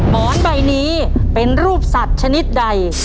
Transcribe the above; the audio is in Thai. หมอนใบนี้เป็นรูปสัตว์ชนิดใด